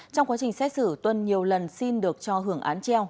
trong quá trình xét xử tuân nhiều lần xin được cho hưởng án treo